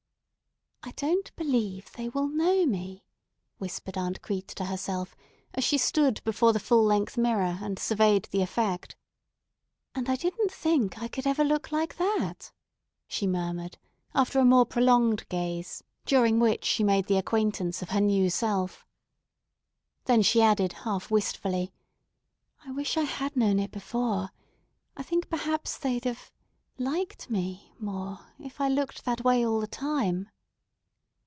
"I don't believe they will know me," whispered Aunt Crete to herself as she stood before the full length mirror and surveyed the effect. "And I didn't think I could ever look like that!" she murmured after a more prolonged gaze, during which she made the acquaintance of her new self. Then she added half wistfully: "I wish I had known it before. I think perhaps they'd have—liked me—more if I'd looked that way all the time."